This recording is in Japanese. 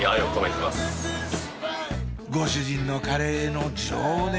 ご主人のカレーの情熱